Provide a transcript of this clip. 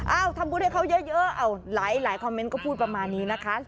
ทำบุญให้เขาเยอะหลายคอมเมนต์ก็พูดประมาณนี้นะคะ